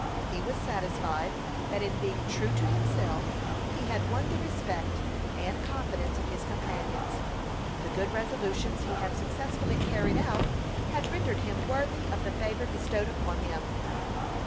He was satisfied that in being true to himself he had won the respect and confidence of his companions. The good resolutions he had successfully carried out had rendered him worthy of the favor bestowed upon him.